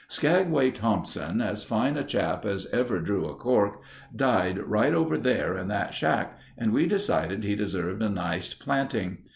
"Skagway Thompson, as fine a chap as ever drew a cork, died right over there in that shack and we decided he deserved a nice planting.